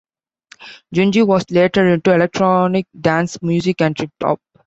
Junji was later into Electronic dance music and Trip hop.